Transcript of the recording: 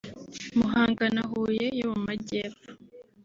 Muhanga na Huye yo mu Majyepfo